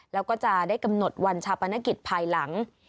แล้วก็จะได้กำหนดวันชาปนกิจภายหลัง